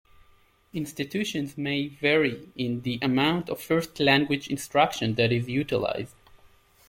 Institutions may vary in the amount of first-language instruction that is utilized.